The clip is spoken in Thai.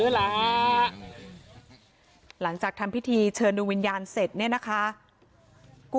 ห่างกันแค่๕๐๐เมตรเองคุณผู้ชม